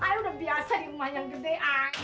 i udah biasa di rumah yang gede i